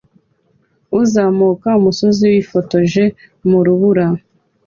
Uzamuka umusozi wifotoje mu rubura